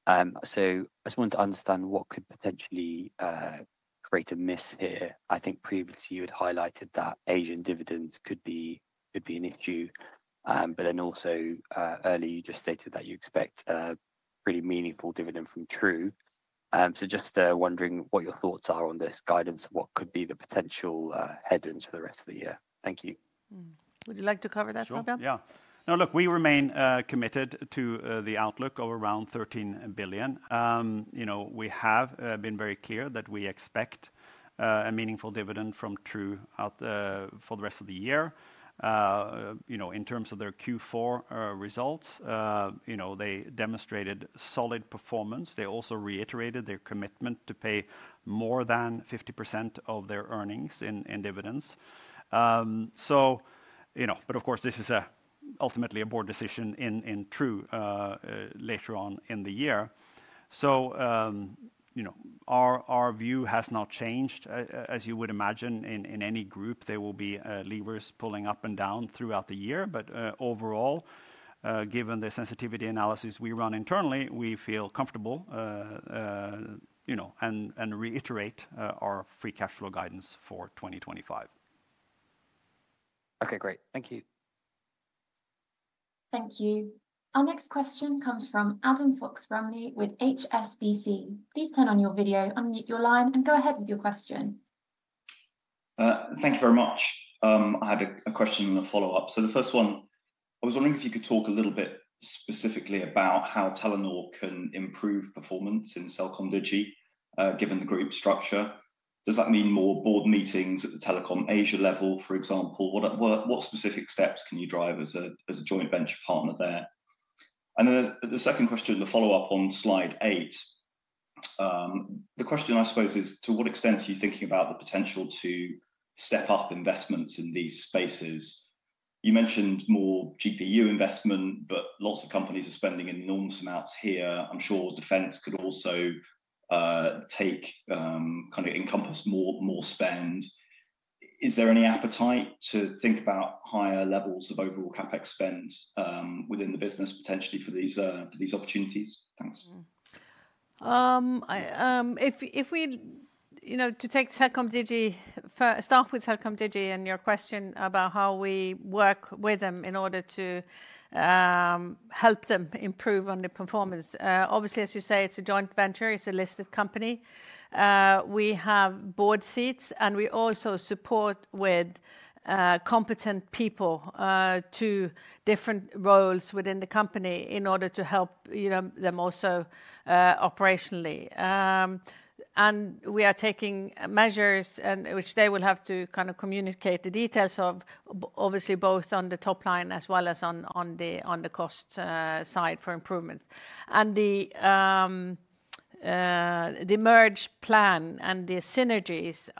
I just wanted to understand what could potentially create a miss here. I think previously you had highlighted that Asian dividends could be an issue. Earlier, you just stated that you expect a pretty meaningful dividend from True. I am just wondering what your thoughts are on this guidance and what could be the potential headwinds for the rest of the year. Thank you. Would you like to cover that, Torbjørn? Sure. Yeah. No, look, we remain committed to the outlook of around 13 billion. We have been very clear that we expect a meaningful dividend from True for the rest of the year. In terms of their Q4 results, they demonstrated solid performance. They also reiterated their commitment to pay more than 50% of their earnings in dividends. Of course, this is ultimately a board decision in True later on in the year. Our view has not changed. As you would imagine, in any group, there will be levers pulling up and down throughout the year. Overall, given the sensitivity analysis we run internally, we feel comfortable and reiterate our free cash flow guidance for 2025. Okay, great. Thank you. Thank you. Our next question comes from Adam Fox-Rumley with HSBC. Please turn on your video, unmute your line, and go ahead with your question. Thank you very much. I had a question and a follow-up. The first one, I was wondering if you could talk a little bit specifically about how Telenor can improve performance in CelcomDigi, given the group structure. Does that mean more board meetings at the Telecom Asia level, for example? What specific steps can you drive as a joint venture partner there? The second question, the follow-up on slide eight, the question I suppose is, to what extent are you thinking about the potential to step up investments in these spaces? You mentioned more GPU investment, but lots of companies are spending enormous amounts here. I'm sure defense could also take kind of encompass more spend. Is there any appetite to think about higher levels of overall CapEx spend within the business potentially for these opportunities? Thanks. If we take start with CelcomDigi and your question about how we work with them in order to help them improve on their performance. Obviously, as you say, it's a joint venture. It's a listed company. We have board seats, and we also support with competent people to different roles within the company in order to help them also operationally. We are taking measures, which they will have to kind of communicate the details of, obviously, both on the top line as well as on the cost side for improvements. The merge plan and the synergies,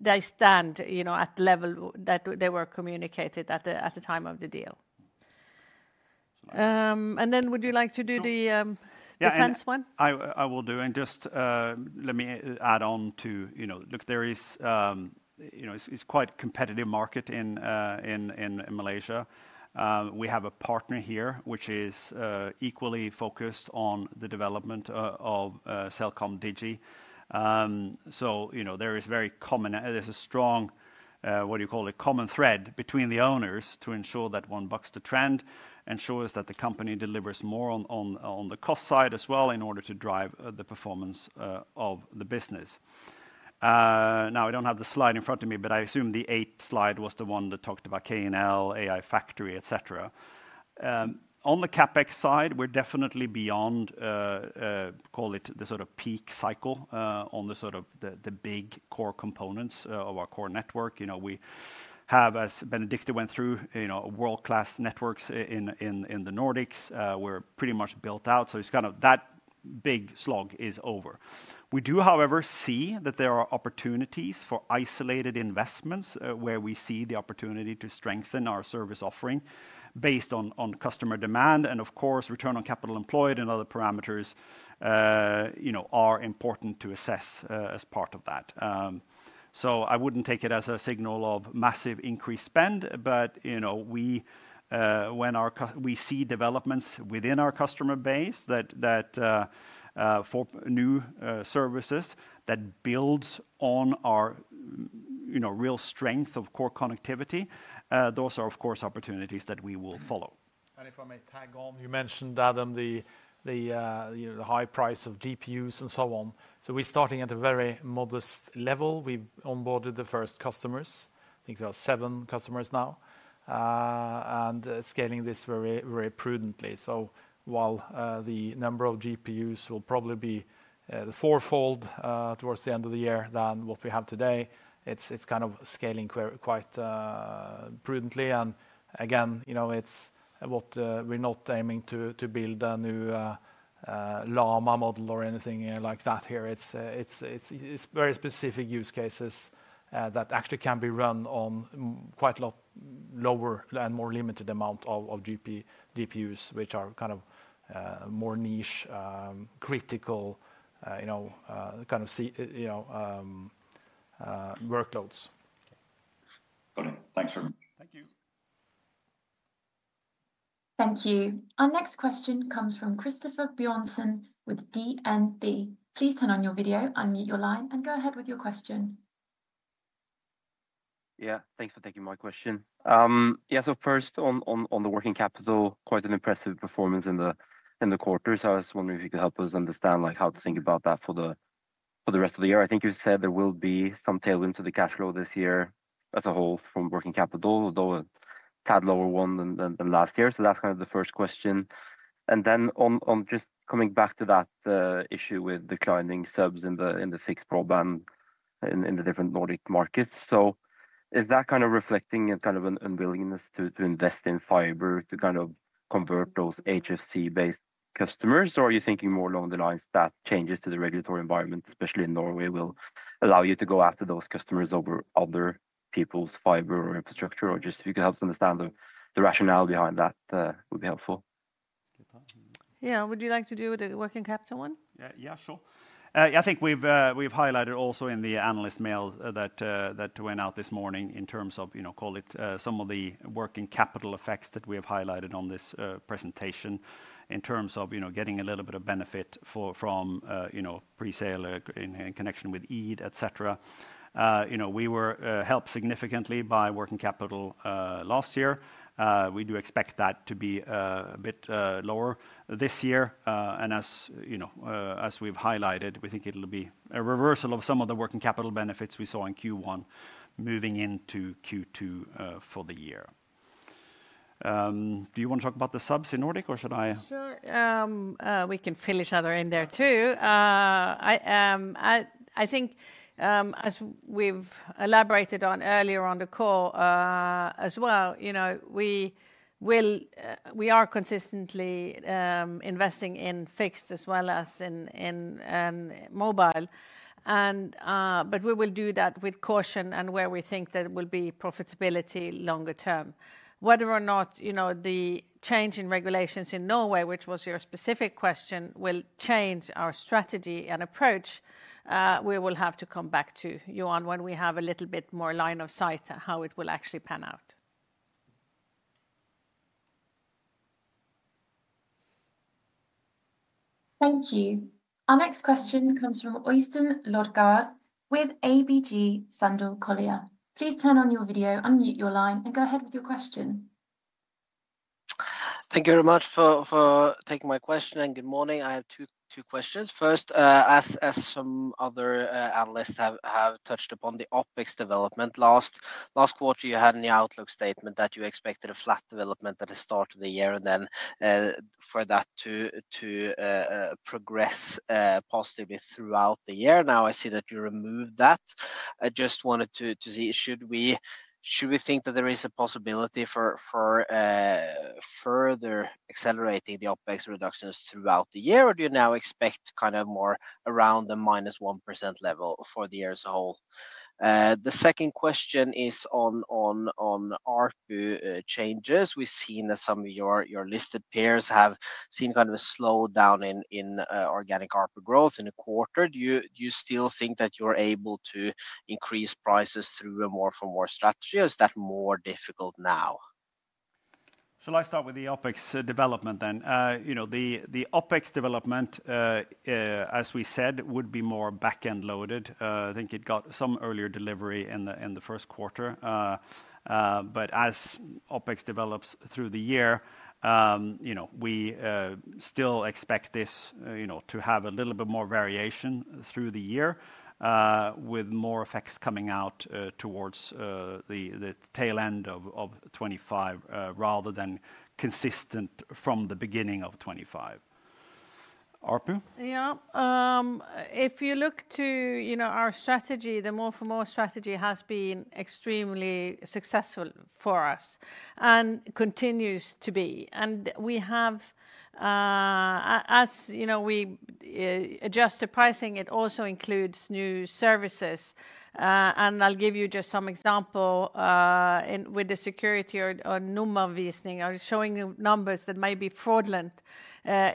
they stand at the level that they were communicated at the time of the deal. Would you like to do the defense one? Yeah, I will do. Just let me add on to, look, there is quite a competitive market in Malaysia. We have a partner here, which is equally focused on the development of CelcomDigi. There is very common, there's a strong, what do you call it, common thread between the owners to ensure that one bucks the trend and ensures that the company delivers more on the cost side as well in order to drive the performance of the business. Now, I don't have the slide in front of me, but I assume the eighth slide was the one that talked about KNL, AI Factory, etc. On the CapEx side, we're definitely beyond, call it the sort of peak cycle on the sort of the big core components of our core network. We have, as Benedicte went through, world-class networks in the Nordics. We're pretty much built out. It's kind of that big slog is over. We do, however, see that there are opportunities for isolated investments where we see the opportunity to strengthen our service offering based on customer demand. Of course, return on capital employed and other parameters are important to assess as part of that. I would not take it as a signal of massive increased spend, but when we see developments within our customer base for new services that build on our real strength of core connectivity, those are, of course, opportunities that we will follow. If I may tag on, you mentioned, Adam, the high price of GPUs and so on. We are starting at a very modest level. We have onboarded the first customers. I think there are seven customers now and scaling this very prudently. While the number of GPUs will probably be fourfold towards the end of the year than what we have today, it is scaling quite prudently. Again, we are not aiming to build a new Llama model or anything like that here. It's very specific use cases that actually can be run on quite a lot lower and more limited amount of GPUs, which are kind of more niche, critical kind of workloads. Got it. Thanks very much. Thank you. Thank you. Our next question comes from Christoffer Bjørnsen with DNB. Please turn on your video, unmute your line, and go ahead with your question. Yeah, thanks for taking my question. Yeah, first, on the working capital, quite an impressive performance in the quarters. I was wondering if you could help us understand how to think about that for the rest of the year. I think you said there will be some tailwinds to the cash flow this year as a whole from working capital, although a tad lower one than last year. That's kind of the first question. Just coming back to that issue with declining subs in the fixed broadband in the different Nordic markets. Is that kind of reflecting an unwillingness to invest in fiber to convert those HFC-based customers, or are you thinking more along the lines that changes to the regulatory environment, especially in Norway, will allow you to go after those customers over other people's fiber or infrastructure? If you could help us understand the rationale behind that, it would be helpful. Would you like to do the working capital one? Sure. I think we've highlighted also in the analyst mail that went out this morning in terms of some of the working capital effects that we have highlighted on this presentation in terms of getting a little bit of benefit from presale in connection with EID, etc. We were helped significantly by working capital last year. We do expect that to be a bit lower this year. As we've highlighted, we think it'll be a reversal of some of the working capital benefits we saw in Q1 moving into Q2 for the year. Do you want to talk about the subs in Nordic, or should I? Sure. We can fill each other in there too. I think as we've elaborated on earlier on the call as well, we are consistently investing in fixed as well as in mobile. We will do that with caution and where we think there will be profitability longer term. Whether or not the change in regulations in Norway, which was your specific question, will change our strategy and approach, we will have to come back to you on when we have a little bit more line of sight how it will actually pan out. Thank you. Our next question comes from Øystein Lodgaard with ABG Sundal Collier. Please turn on your video, unmute your line, and go ahead with your question. Thank you very much for taking my question and good morning. I have two questions. First, as some other analysts have touched upon the OpEx development, last quarter, you had in the outlook statement that you expected a flat development at the start of the year and then for that to progress positively throughout the year. Now, I see that you removed that. I just wanted to see, should we think that there is a possibility for further accelerating the OpEx reductions throughout the year, or do you now expect kind of more around the -1% level for the year as a whole? The second question is on ARPU changes. We've seen that some of your listed peers have seen kind of a slowdown in organic ARPU growth in the quarter. Do you still think that you're able to increase prices through a more for more strategy? Is that more difficult now? Shall I start with the OpEx development then? The OpEx development, as we said, would be more back-end loaded. I think it got some earlier delivery in the first quarter. As OpEx develops through the year, we still expect this to have a little bit more variation through the year with more effects coming out towards the tail end of 2025 rather than consistent from the beginning of 2025. ARPU? Yeah. If you look to our strategy, the more for more strategy has been extremely successful for us and continues to be. As we adjust the pricing, it also includes new services. I'll give you just some example with the security or nummervisning, showing numbers that may be fraudulent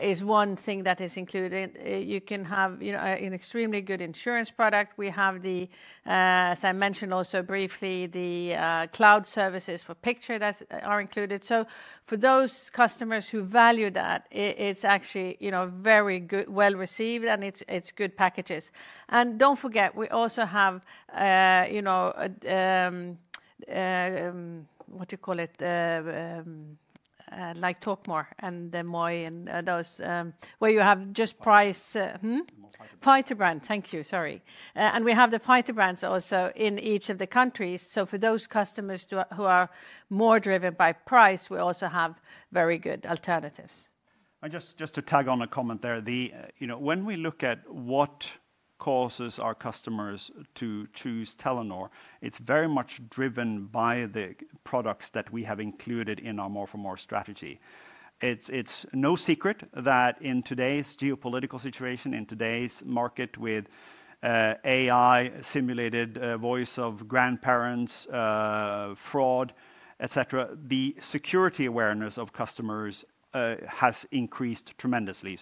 is one thing that is included. You can have an extremely good insurance product. We have, as I mentioned also briefly, the cloud services for picture that are included. For those customers who value that, it's actually very well received and it's good packages. Do not forget, we also have, what do you call it, like TalkMore and the Moi and those where you have just price. Fighter brand. Fighter brand. Thank you. Sorry. We have the fighter brands also in each of the countries. For those customers who are more driven by price, we also have very good alternatives. Just to tag on a comment there, when we look at what causes our customers to choose Telenor, it is very much driven by the products that we have included in our more for more strategy. It is no secret that in today's geopolitical situation, in today's market with AI, simulated voice of grandparents, fraud, etc., the security awareness of customers has increased tremendously.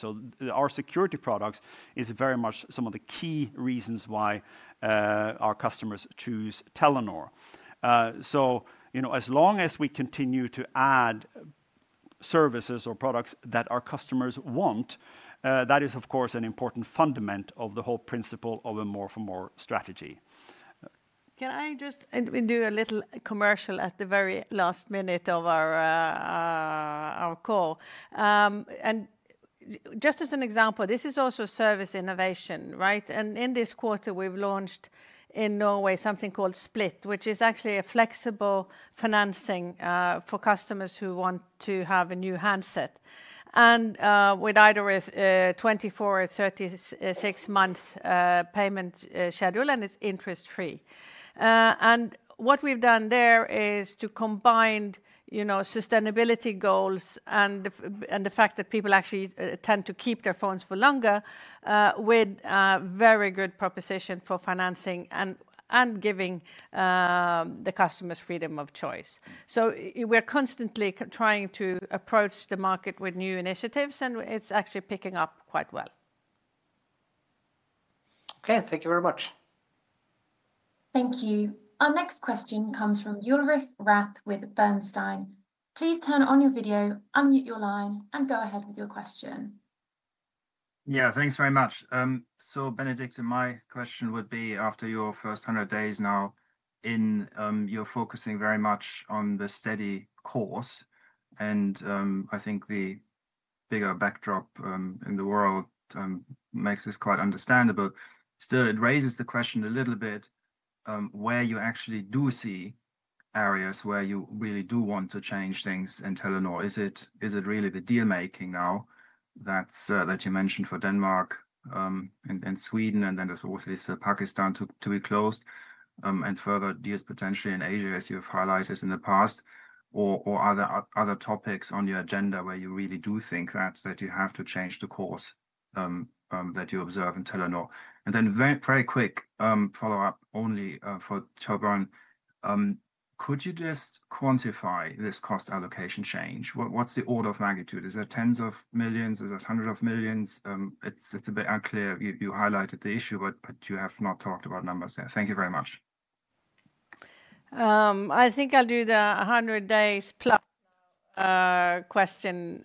Our security products are very much some of the key reasons why our customers choose Telenor. As long as we continue to add services or products that our customers want, that is, of course, an important fundament of the whole principle of a more for more strategy. Can I just do a little commercial at the very last minute of our call? Just as an example, this is also service innovation, right? In this quarter, we've launched in Norway something called Split, which is actually a flexible financing for customers who want to have a new handset, with either a 24- or 36-month payment schedule, and it's interest-free. What we've done there is to combine sustainability goals and the fact that people actually tend to keep their phones for longer with a very good proposition for financing and giving the customers freedom of choice. We are constantly trying to approach the market with new initiatives, and it's actually picking up quite well. Okay, thank you very much. Thank you. Our next question comes from Ulrich Rathe with Bernstein. Please turn on your video, unmute your line, and go ahead with your question. Yeah, thanks very much. So Benedicte, my question would be after your first 100 days now, you're focusing very much on the steady course. I think the bigger backdrop in the world makes this quite understandable. Still, it raises the question a little bit where you actually do see areas where you really do want to change things in Telenor. Is it really the deal-making now that you mentioned for Denmark and Sweden, and then there's also Pakistan to be closed, and further deals potentially in Asia, as you've highlighted in the past, or other topics on your agenda where you really do think that you have to change the course that you observe in Telenor? Very quick follow-up only for Torbjørn. Could you just quantify this cost allocation change? What's the order of magnitude? Is it tens of millions? Is it hundreds of millions? It's a bit unclear. You highlighted the issue, but you have not talked about numbers there. Thank you very much. I think I'll do the 100 days plus question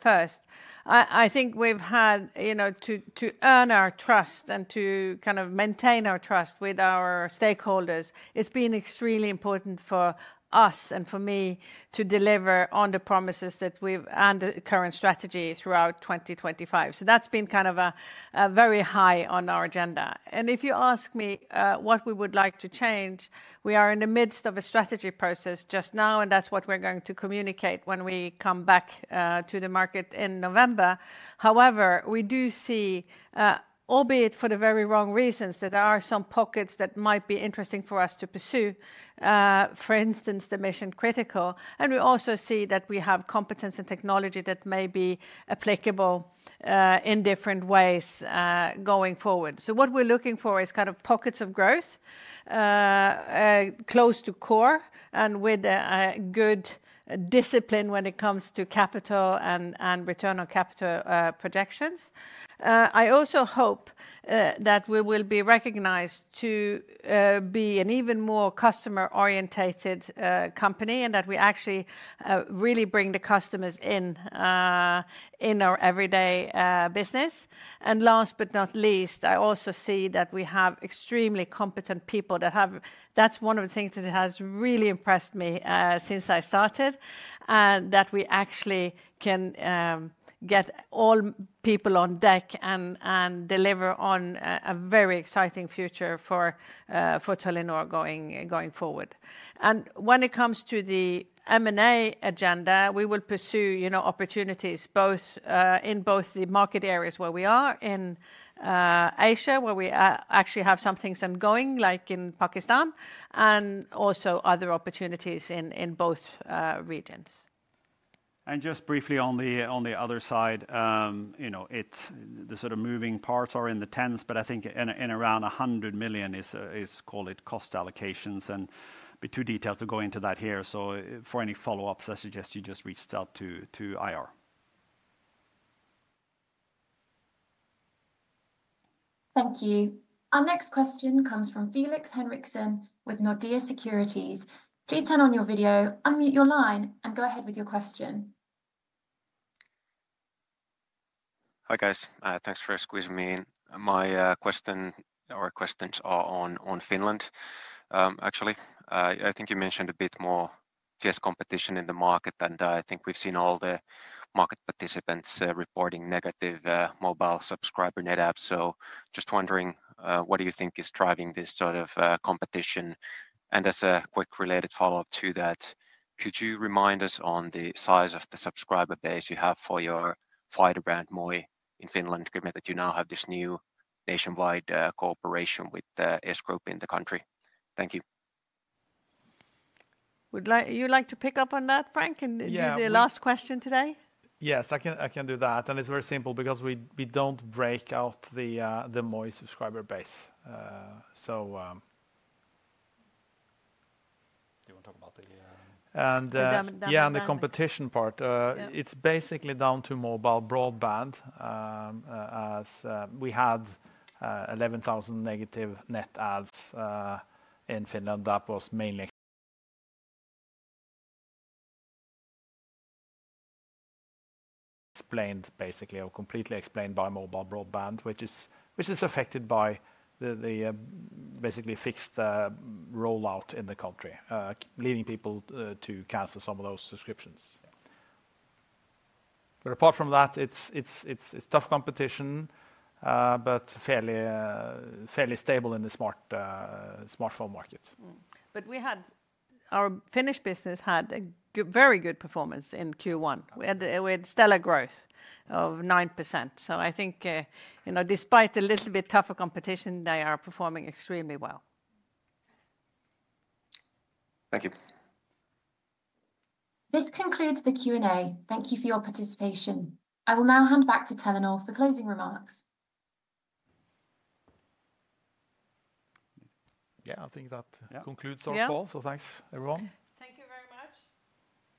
first. I think we've had, to earn our trust and to kind of maintain our trust with our stakeholders, it's been extremely important for us and for me to deliver on the promises that we've and the current strategy throughout 2025. That's been kind of very high on our agenda. If you ask me what we would like to change, we are in the midst of a strategy process just now, and that's what we're going to communicate when we come back to the market in November. However, we do see, albeit for the very wrong reasons, that there are some pockets that might be interesting for us to pursue, for instance, the mission critical. We also see that we have competence and technology that may be applicable in different ways going forward. What we're looking for is kind of pockets of growth close to core and with good discipline when it comes to capital and return on capital projections. I also hope that we will be recognized to be an even more customer-orientated company and that we actually really bring the customers in our everyday business. Last but not least, I also see that we have extremely competent people that have, that's one of the things that has really impressed me since I started, and that we actually can get all people on deck and deliver on a very exciting future for Telenor going forward. When it comes to the M&A agenda, we will pursue opportunities both in the market areas where we are in Asia, where we actually have some things going, like in Pakistan, and also other opportunities in both regions. Just briefly on the other side, the sort of moving parts are in the tens, but I think in around 100 million is, call it, cost allocations. It would be too detailed to go into that here. For any follow-ups, I suggest you just reach out to IR. Thank you. Our next question comes from Felix Henriksson with Nordea Securities. Please turn on your video, unmute your line, and go ahead with your question. Hi guys. Thanks for squeezing me in. My question or questions are on Finland, actually. I think you mentioned a bit more fierce competition in the market, and I think we've seen all the market participants reporting negative mobile subscriber net adds. Just wondering, what do you think is driving this sort of competition? As a quick related follow-up to that, could you remind us on the size of the subscriber base you have for your fighter brand Moi in Finland given that you now have this new nationwide cooperation with S-Group in the country? Thank you. You'd like to pick up on that, Frank, in the last question today? Yes, I can do that. It is very simple because we do not break out the Moi subscriber base. Do you want to talk about the... Yeah, and the competition part. It is basically down to mobile broadband. We had 11,000 negative net ads in Finland that was mainly explained, basically, or completely explained by mobile broadband, which is affected by the basically fixed rollout in the country, leaving people to cancel some of those subscriptions. Apart from that, it is tough competition, but fairly stable in the smartphone market. Our Finnish business had very good performance in Q1. We had stellar growth of 9%. I think despite a little bit tougher competition, they are performing extremely well. Thank you. This concludes the Q&A. Thank you for your participation. I will now hand back to Telenor for closing remarks. I think that concludes our call. Thanks, everyone. Thank you very much.